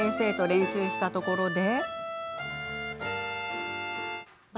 練習したところで。